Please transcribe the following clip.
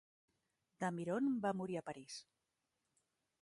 Damiron va morir a París.